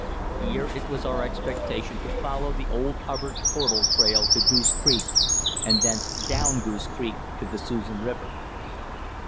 Here it was our expectation to follow the old Hubbard portage trail to Goose Creek and thence down Goose Creek to the Susan River.